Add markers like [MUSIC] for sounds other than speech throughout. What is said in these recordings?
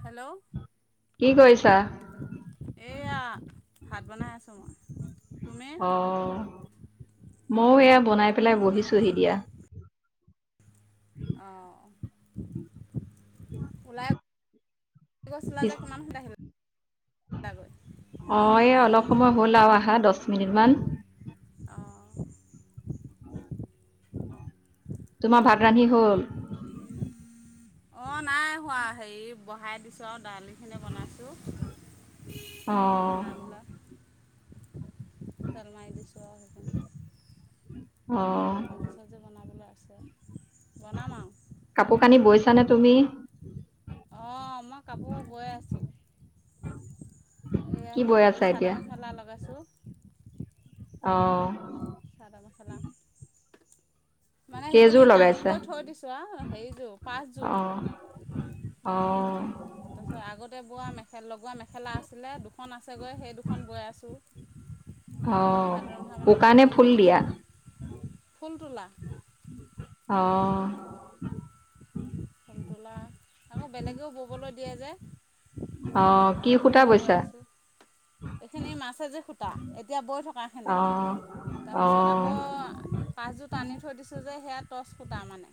Hello, কি কৰিছা? এয়া ভাত বনাই আছোঁ। তুমি অ', ময়ো এয়া বনাই পেলাই বহিছোহি দিয়া। অ', ওলাই গৈছিলা যে কিমান সময়ত আহিলাগৈ অ এই অলপ সময় হল আৰু আহা দহ মিনিট মান। [INAUDIBLE] তোমাৰ ভাত ৰান্ধি হল অ নাই হোৱা হেৰি বহাই দিছোঁ আৰু দালিখিনি বনাইছোঁ। অ বনাই পেলাই তেল মাৰি দিছো আও অ আগিল আছে [INAUDIBLE] বনাম আৰু কাপোৰ কানি বৈছানে তুমি অঁ মই কাপোৰ বৈ আছোঁ এইয়া কি হেৰি বৈ আছা চাদৰ এতিয়া? মেখেলা লগাইছোঁ। অ চাদৰ মেখেলা মানে সেইখিনি কেইযোৰ লগাইছা? টানিকৈ থৈ দিছোঁ আও সেইযোৰ পাচযোৰ। অ', অ', তাৰপিছত আগতে বোৱা মেখেলা লগোৱা মেখেলা আছিলে দুখ খন আছেগৈ সেই দুখন বৈ আছোঁ। অ সেই ভাত ৰন্ধা মানে উকা অকণ নে দেৰি ফুল হৈ দিয়া গৈছে ফুল তোলা অ ফুল তলা আকৌ বেলেগেও ববলৈ দিয়ে যে। অ', কি সূতা সেইখিনিও গৈ বৈছা? আছো এইখিনি মাছাই যে সুত এতিয়া বৈ থক কাখিনি অ', তাৰপিছত অ', আকৌ পাচযোৰ টানি থৈ দিছোঁ যে সেয়া টচ সুতা মানে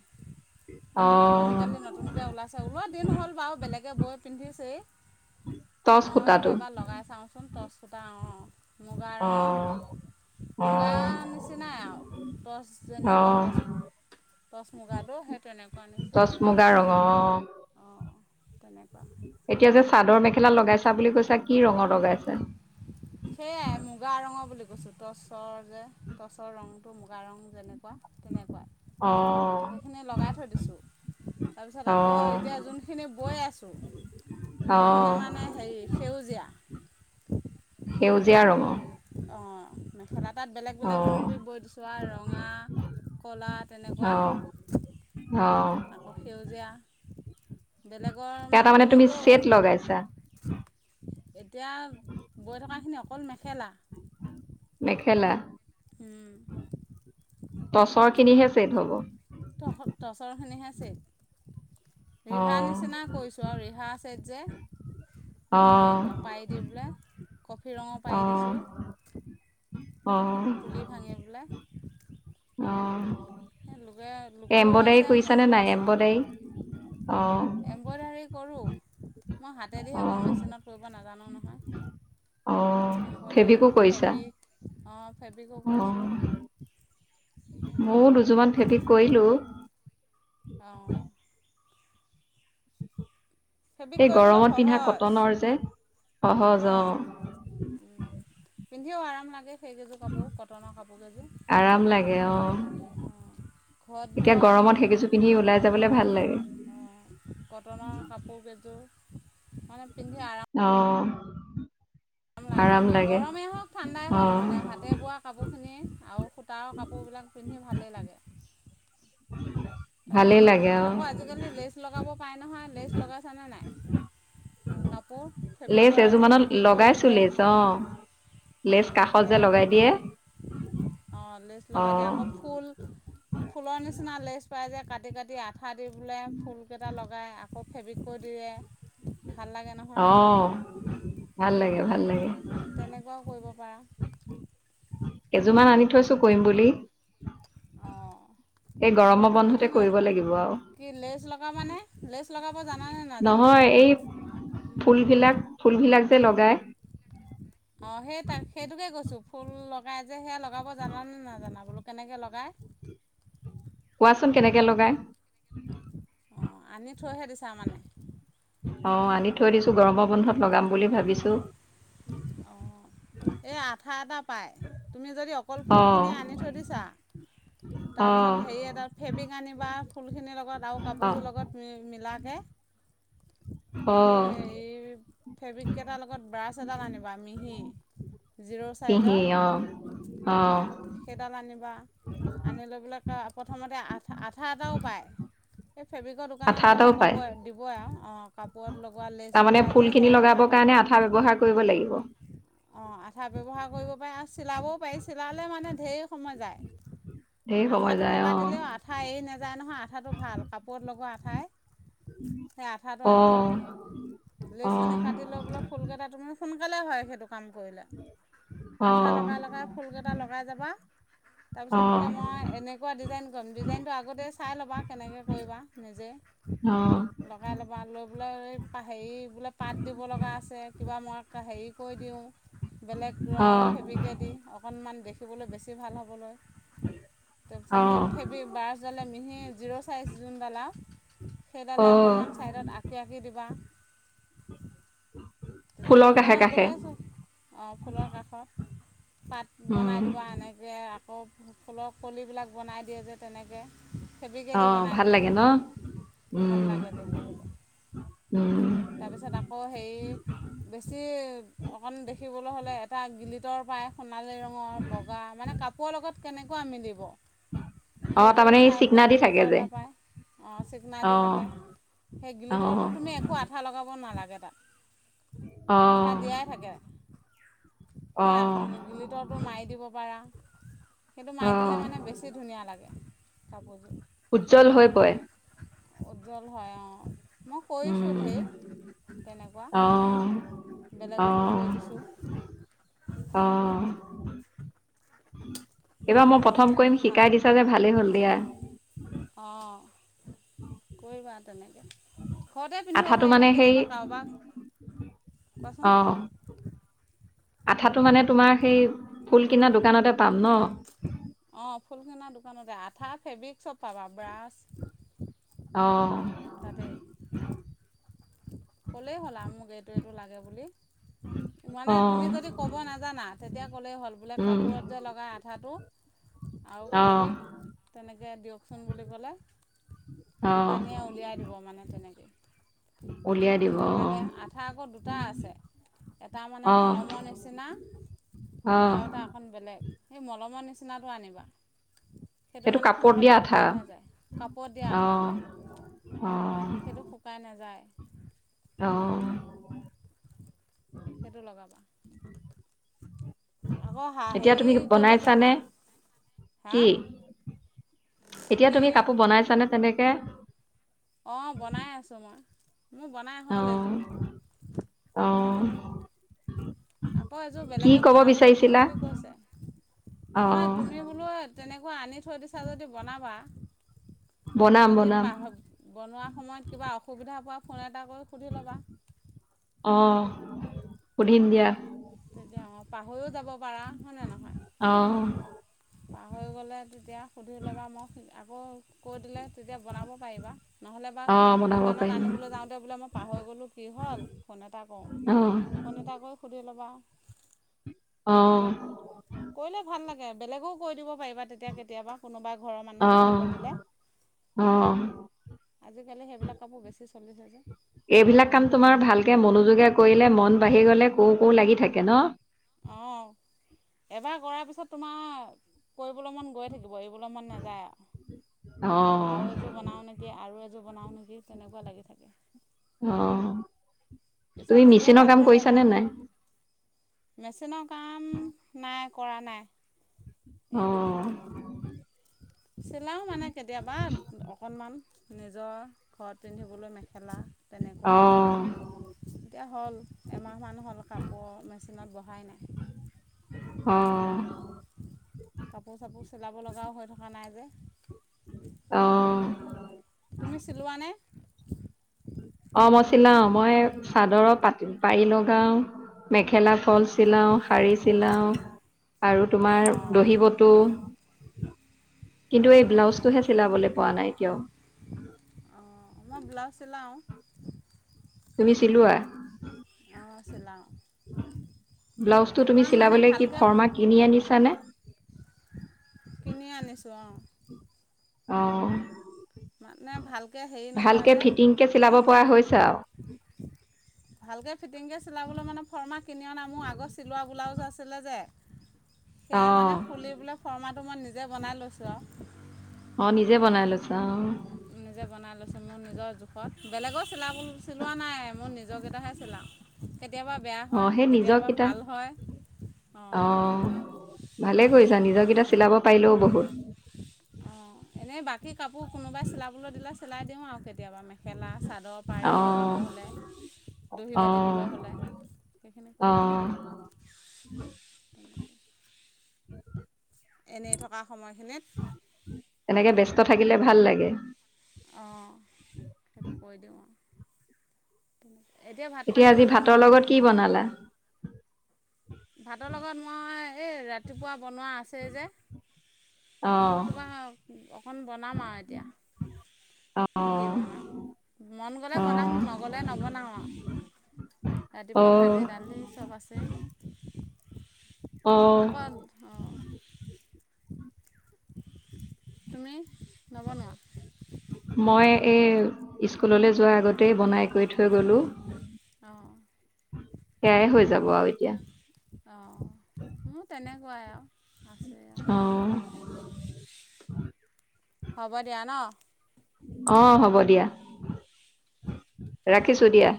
অ', আজিকালি নতুনকে ওলাইছে ওলত দিন হ'ল বাও, বেলেগে বৈ পিন্ধিছেই। টচ মই বোলো সূতাটো? এবাৰ লগাই চাওঁচোন টচ সূতা অ, মুগা ৰঙৰ, অ', মুগাৰ অ', নিচিনাই আউ, টচ যেনেকুৱা অ'। টচ, টচ মুগাটো সেই তেনেকোৱা। টচ মুগা ৰঙৰ অ, অঁ তেনেকুৱা এতিয়া যে চাদৰ মেখ [UNINTELLIGIBLE] লগাইছা বুলি কৈছ তাত কি ৰঙৰ লগাইছা? সেয়াই মুগা [UNINTELLIGIBLE] টচৰ যে, টৰ্চৰ ৰংটো মুগা ৰং যেনেকুৱা তেনেকুৱা। অ সেইখিনি লগাই থৈ দিছোঁ। তাৰপিছত অ আকৌ এতিয়া যোনখিনি বৈ আছোঁ অ সেইখিনি মানে হেৰি সেউজীয়া। সেউজীয়া ৰঙৰ অঁ [UNINTELLIGIBLE] বেলেগ অ বেলেগ ৰং দি বৈ দিছোঁ আৰু ৰঙা, ক'লা তেনেকুৱা। অ অ আকৌ সেউজীয়া। বেলেগৰ তাৰ তাৰ মানে তুমি বেলেগেও চেট লগাইছা। এতিয়া বৈ থকাখিনি অকল মেখ। খেলা। খেলা। উম। টচৰ খিনিহে ছেট হ'ব। তহ টচৰ [UNINTELLIGIBLE] ৰিহাৰ নিচিনা কৰিছোঁ আৰু ৰিহা ছেট যে, অ তেনেকুৱা। পাৰি দি পেলে, কফি ৰঙৰ অ পাৰি দিছোঁ। অ অ পুলি ভাঙিবলে। অ' লোকৰো এম্বডাৰী আছে কৰিছা নে মোৰো নাই এম্বডাৰী? অ' এম্ব্ডাৰী কৰোঁ। মই হাতেদি অ হে কও। মেচিনত কৰিব নাজানো অ নহয়। ফেব্ৰিকো এমব্ৰডাৰী, কৰিছা ফেব্ৰিক। অঁ ফেব্ৰিকো অ কৰিছোঁ। ময়ো দুযোৰমান ফিতিক কৰিলো। অহ। ফেব্ৰিক এই কৰিবলৈ গৰমত পিন্ধা সহজ কটনৰ যে অ উ পিন্ধিও আৰাম লাগে সেইকেইযোৰ কাপোৰ কটনৰ কাপোৰকেইযোৰ আৰাম লাগে অ ঘৰত এতিয়া বোৱা গৰমত সেইকেইযোৰ পিন্ধি ওলাই যাবলে আকৌ ভাল লাগে কটনৰ [UNINTELLIGIBLE] মানে পিন্ধি আৰা অ' গৰম লাগে আৰু গৰমেই হওক ঠাণ্ডাই অ হওক মানে হাতে বোৱা কাপোৰ [UNINTELLIGIBLE] আৰু সূতাৰ কাপোৰবিলাক পিন্ধি ভাল ভালে লাগে। তাকে ভালেই লাগে অ আকৌ আজিকালি লেজ লগাব পাই নহয় লেজ লগাইছ নে নাই? কাপোৰ ফেব্ৰিক লেছে কৰা এজোৰ যে মানত ফেব্ৰিক লগাইছো কৰিবলৈ, লেচ অ অ, লেচ কাষত যে সেয়া লগাই কৰিব দিয়ে পাৰে অ, লেছ অ লগাই দিয় আকৌ ফুল ফুলৰ নিচিনা লেছ পাই যে কাটি কাটি আঠ আঠা দি পেলাই ফুল কেইটা লগাই আ [UNINTELLIGIBLE] কৰি দিয়ে। ভাল লাগে নহয় অ', ভাল লাগে। [UNINTELLIGIBLE] ভাল লাগে। [UNINTELLIGIBLE] কেইযোৰমান আনি থৈছোঁ কৰিম বুলি। অ', এই গৰমৰ যদি বন্ধতে নাই কৰিব লাগিব আৰু কি লেজ লগাবানে লেজ লগাব জানাানে নাজানা? নহয় এই ফুলবিলাক ফুলবিলাক ছে লগায় অ সেই তাক সেইটোকে কৈছো ফুল লগাই যে সেয়া লগাব জান নে নাজানা বোলো? কেনেকৈ লগায়? কোৱাচোন কেনেকে লগাই। অ আনে অ আনি থৈ দিছো গৰমৰ বন্ধত লগাম বুলি ভাবিছো আহ এই আঠা এটা পাই তুমি যদি অকল অ ফুলখিনি আনি থৈ দিছা অ তাৰপিছত হেৰি এটা ফেব্ৰিক আনিবা ফুলখিনিৰ লগত আৰু অ কাপোৰযোৰ লগত মিলাকে অ ফে এই [UNINTELLIGIBLE] ফেব্ৰিক এটাৰ লগত ব্ৰাছ এডাল আনিবা মিহি। জিৰ' পিহি ছাইজৰ অ অ অঁ সেইডাল আনিবা আনি লৈ পেলাই প্ৰথমতে আঠা - আঠা আটাও পায় এ, ফেব্ৰিকৰ আঠা দোকানত গ'লে এটাও পায় ক'বই, দিবই আৰু। অ'! কাপোৰত লগ গোৱা লেচ তাৰমানে লগাই ফুলখিনি সেয়া, আঠা লগাবৰ এটা কাৰণে আঠা দিয়ক? ব্যৱহাৰ কৰিব লাগিব অ'! আঠা ব্যৱহাৰ কৰিব পাৰে আৰু চিলাবও পাৰি, চিলালে মানে, ধেই সময় যায়। ধেৰ সময় আঠাটো যায় লগাই অ দিলেও আঠা এৰি নাযায়, নহয়। আঠাটো ভাল, কাপোৰত লগোৱা আঠাই সেই আঠাটো অ আনিবা? অ ড্ৰেছখিনি কাটি লৈ পেলাই, ফুল কেইটা তুমিও সোনকালে হয় সেইটো। কাম কৰিলে, অ আঠা লগাই লগাই ফুলকেইটা লগাই যাবা, অ তাৰপিছত বোলে মই এনেকুৱা ডিজাইন কৰিম ডিজাইনটো আগতে চাই ল'বা। কেনেকৈ কৰিবা নিজে অ লগাই ল'বা লৈ পেলাই পা হেৰি বোলে পাত দিব লগা আছে, কিবা মই হেৰি কৰি দিওঁ বেলেগ অ ৰঙৰ ফেব্ৰিকেদি অকনমান দে শিকিবলৈ বেছি ভাল হ'বলৈ তাৰপিছত অ সেই ফেব্ৰি বাছডালে মিহি জিৰ' চাইজ যোনদাল আৰু অ সেইডালে অকণমান ছাইডত আঁকি আঁকি দিবা। তেতিয়া ফুলৰ কাষে দোকানত কাষে গ'লে আছোঁ অঁ ফুলৰ কাষত পাত উম বনাই দিবা এনেকৈ ফুলৰ কলিবিলাক বনাই দিয়ে যে তেনেকৈ ফেব্ৰিকেদি অ' বনাই ভাল দিব লাগে ন। মানে ভাল উম, লাগে উম ত আকৌ হেৰি বেছি অকণ দেখিবলৈ হ'লে এটা গিলিতটৰ পাই এখন মালিৰ ৰঙৰ বগা মানে কাপোৰৰ লগত কেনেকুৱা মিলিব অ সেইটো তাৰমানে এই চাই বোলে চিকনা দি থাকে গিলিটৰ যে এটা পায় অ' চিকনা দি অ থাকে। সেই গিলিটৰটো অ তুমি একো আঠা লগাব একো নালাগে তাক। আঠা অহ, দিয়াই থাকে। অহ, সেই গিলিতৰটো মাৰি দিব পাৰা। সেইটো মাৰি দিলে অহ, মানে বেছি ধুনীয়া লাগে। কাপোৰ যোৰ। [UNINTELLIGIBLE] উজ্জ্বল হৈ পৰে। উজ্জ্বল হয় অ'। মই কৰিছো উম, ঢেৰ। তেনেকুৱা, অহ, বেলেগকো অহ, কৈ দিছোঁ। অহ। এইবাৰ মই প্ৰথম কৰিম, ভাল শিকাই দিছা যে ভালেই হ'ল দিয়া। অহ কৰিবা তেনেকে। ঘৰতে পিন্ধিব আঠাটো মানে পাৰিবা। সেই কেতিয়াবা কাৰোবাক কোৱাচোন অহ। আঠাত তো মানে তোমাৰ সেই ফুল কিনা দোকানতে পাম ন? অঁ ফুল কিনাৰ দোকানতে আঠা, ফেব্ৰিক চব পাবা ব্ৰাছ অহ। তাতে কলেই হ'ল আৰু মোক এইটো এইটো লাগে বুলি। মানে অহ, তুমি যদি ক'ব নাজানা, তেতিয়া ক'লেই হ'ল বোলে উম, কাপোৰত যে লগাই আঠাটো আৰু অহ, ফেব্ৰিক তেনেকৈ দিয়কচোন বুলি ক'লে, অহ, দোকানীয়ে উলিয়াই দিব মানে তেনেকৈ। উলিয়াই [INAUDIBLE] দিব কোনটো অহ, লাগে, আঠা আকৌ দুটা আছে, এটা মানে অহ, মলমৰ নিচিনা অহ, আৰু এটা অকণ বেলেগ। সেই মলমৰ নিচিনা [UNINTELLIGIBLE] আনিবা। সেইটো মানে কাপোৰত সোনকালে দিয়া আঠা। শুকাই নাযায়। কাপোৰত দিয়া আঠা অহ, অহ, সেইটো শুকাই নাযায়। ভাল, অহ, সেইটো লগাবা। আকৌ হা এতিয়া তুমি হেই কৰিব বনাইছানে জানা, হা। কি? এতিয়া কি তুমি কাপোৰ বনাইছানে তেনে কে অ', বনাই আছোঁ মই। মোৰ বনাই হ'ল অ', এযোৰ অ', তেনেকে, আকৌ এযোৰ কি বেলেগে ক'ব বনাবলৈ দিম বিচাৰিছিলা বুলি কৈছে, নহয় অ', তুমি বোলো তেনেকুৱা আনি থৈ দিছা যদি বনাবা। বনাম যদি বনাম পাহ বনোৱাৰ সময়ত কিবা অসুবিধা পোৱা পৰা তা গৈ সুধি ল'বা। অ', সুধিম দিয়া। তেতিয়া অঁ পাহৰিও যাব পাৰা, হয়নে নহয়, অ', পাহৰি গ'লে তেতিয়া সুধি ল'বা, মই আকৌ কৈ দিলে তেতিয়া বনাব পাৰিবা নহ'লে বা অ', বনাব দোকানত পাৰিম আনিবলৈ যাওঁতে বোলে মই পাহৰি গ'লো কি হ'ল ফোন এটা কৰোঁ, অ', ফোন এটা কৰি সুধি ল'বা। তেতিয়া অ', কৈ দিম, কৰিলে ভাল লাগ কে বেলেগেও কৈ দিব অ', এইবাৰ তেতিয়া কেতিয়াবা কোনোবাই ঘৰৰ মানুহে অ', কৰিব দিলে অ', আজিকালি সেইবিলাক কাপোৰ বেছ চল্লিছ হাজাৰ। এইবিলাক কাম তোমাৰ ভালকে মনোযোগে কৰিলে মন বাঢ়ি গলে, কো-কৌ লাগি থাকে ন? অঁ এবাৰ কৰাৰ পিছত তোমাৰ কৰিবলৈ মান গৈ থাকিব এৰিবলৈ মন নাযায় অ', আৰু এযোৰ বনাও নেকি আৰু এযোৰ বনাওঁ নেকি তেনেকুৱা লাগি থাকে। অ' পিছত তুমি মেচিনৰ কাম কৰিছানে নাই? মেচিন কাম না কৰা নাই। আহ চিলাও মানে কেতিয়াবা, অকণমান নিজৰ ঘৰত পিন্ধিবলৈ লা তেনেকুৱা, অ', এতিয়া হ'ল এমাহমান হ'ল কাপোৰ মেচিনত বহাই নাই। অ', কাপোৰ চাপোৰ চিলাব লগাও হৈ থকা নাই যে অ', তুমি চিলোৱা নে? অ মই চিলাও, মই চাদৰৰ পাত পাৰি লগাও মেখেলা ফল অঁ চিলাওঁ, শাৰী লাওঁ আৰু তোমাৰ অঁ দহি বটু [INAUDIBLE] কিন্তু এই অঁ ব্লাউজটোহে চিলাবলৈ পোৱা নাই কিয়? অঁ মই ব্লাউজ চিলাওঁ তুমি চিলোৱা? অঁ চিলাওঁ ব্লাউজটো তুমি ইমান মানে চিলাবলৈ কি ভালকৈ ফৰ্মা কিনি আনিছানে? কিনি আনিছোঁ অ। অ' ভালকৈ হেৰি নহয় ভালকে যে ফিটিং কে চিলাব মই পৰা হৈছো ভালকৈ ফিটিংকৈ চিলাবলৈ মানে ফৰ্মা কিনি অনা মোৰ আগত চিলোৱা ব্লাউজ আছিলে যে অ সেয়া মানে খুলি বোলে ফৰ্মা টো মই নিজে বনাই লৈছোঁ আৰু। অ নিজে বনাই লৈছা অ। নিজে বনাই লৈচো, মোৰ নিজৰ জোখত। বেলেগৰ চিলাব, চিলোৱা নাই মোৰ নিজ যকেইটাহে চিলাও। অ সেই নিজক কেইটা, হয় অঁ অ ভালে তেনেকৈ কৰিছা নিজৰকেইটা চিলাব পাৰিলেও বহুত। অঁ এনেই বাকী কাপোৰ কোনোবাই চিলাবলৈ দিলে চিলাই দিওঁ আৰু কেতিয়াবা মেখেলা চাদৰ অ পাৰী লগাব হ'লে, দহি অ বাতিবলৈ হ'লে, সেইখিনি কৰি দিওঁ আৰু। অ [UNINTELLIGIBLE] এনেই থকা সময়খিনিত। তেনেকে ব্যস্ত থাকিলে ভাল লাগে। অ'! সেইটো কৈ দিওঁ। ভাত এতিয়া, পানী আজি ভাতৰ নবনোৱা লগত কি বনালা? ভাতৰ লগত মই এই ৰাতিপুৱা বনোৱা আছেই যে আকৌ অঁ কিবা অকণ বনাম আৰু এতিয়া কি অঁ বনাওঁ মন গ'লে বনাম অঁ নগ'লে নবনাওঁ আৰু ৰাতিপুৱা অঁ ভাজি দালি চ'ব আছেই। [INAUDIBLE] অঁ আকৌ অ' তুমি নবনোৱা? মই এই স্কুললৈ যোৱাৰ আগতেই বনাই কৰি থৈ গলোঁ। অঁ বেয়াই হৈ যাব আৰু এতিয়া। কুৱাই আহ আছে আহ। অঁ [UNINTELLIGIBLE] হ'ব দিয়া ন। অ' হ'ব দিয়া, ৰাখিছোঁ দিয়া।